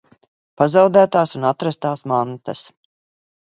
Pazaudētās un atrastās mantas.